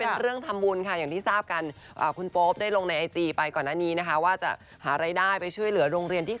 เดี๋ยวเราก็ต้องแก่ไปเรื่อย